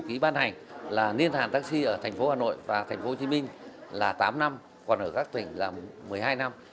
ký ban hành là liên thàn taxi ở thành phố hà nội và thành phố hồ chí minh là tám năm còn ở các tỉnh là một mươi hai năm